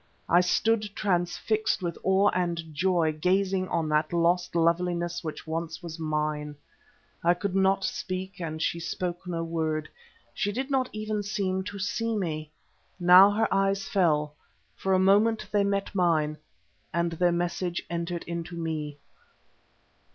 I stood transfixed with awe and joy, gazing on that lost loveliness which once was mine. I could not speak, and she spoke no word; she did not even seem to see me. Now her eyes fell. For a moment they met mine, and their message entered into me.